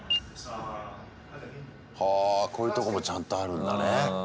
はあこういうとこもちゃんとあるんだね。